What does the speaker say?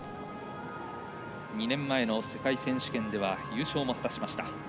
２年前の世界選手権では優勝を果たした中西。